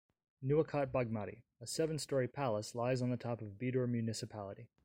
Nuwakot, Bagmati : A seven storey palace lies on the top of Bidur Municipality.